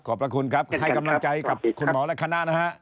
พระคุณครับให้กำลังใจกับคุณหมอและคณะนะฮะ